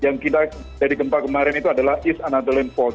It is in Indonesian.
yang kita dari gempa kemarin itu adalah east anatoline volt